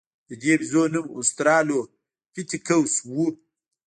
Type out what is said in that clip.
د دې بیزو نوم اوسترالوپیتکوس و.